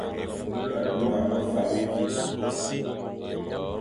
Luma mefa,